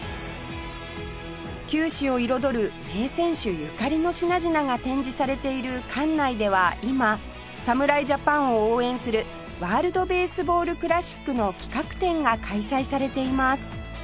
球史を彩る名選手ゆかりの品々が展示されている館内では今侍ジャパンを応援する ＷＯＲＬＤＢＡＳＥＢＡＬＬＣＬＡＳＳＩＣ の企画展が開催されています